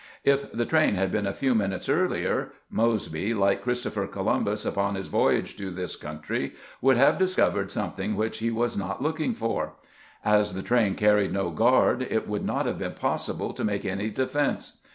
If the train had been a few minutes earlier, Mosby, like Chris topher Columbus upon his voyage to this country, would have discovered something which he was not looking for. As the train carried no guard, it would not have been possible to make any defense.